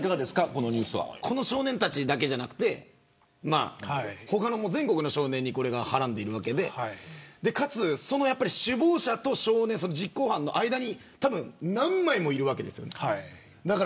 この少年たちだけじゃなくて他の全国の少年にこれがはらんでいるわけでかつ首謀者と実行犯の間にたぶん何枚もいるわけですよね。